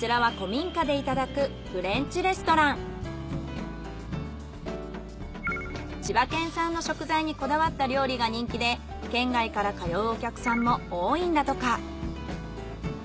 そうこちらは千葉県産の食材にこだわった料理が人気で県外から通うお客さんも多いんだとか。